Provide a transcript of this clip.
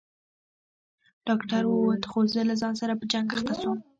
ډاکتر ووت خو زه له ځان سره په جنگ اخته سوم.